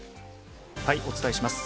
お伝えします。